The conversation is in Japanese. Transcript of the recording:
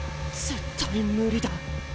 絶対無理だ。